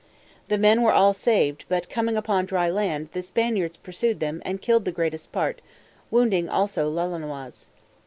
The men were all saved, but coming upon dry land, the Spaniards pursued them, and killed the greatest part, wounding also Lolonois.